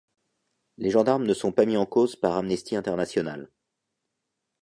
Les gendarmes ne sont pas mis en cause par Amnesty International.